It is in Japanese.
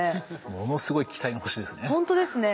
ものすごい期待の星ですね。